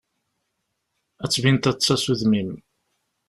Ad tbin taḍsa s udem-im.